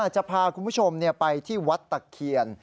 จะพาคุณผู้ชมไปที่วัดตะเคียน